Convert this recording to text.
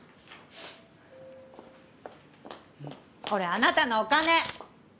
これあなたのお金！